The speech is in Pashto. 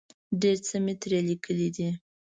ډېر څه مې ترې لیکلي دي.